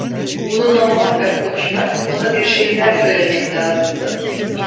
Onunla muhakkak konuşmak, ona bir şeyler söylemek lazımdı.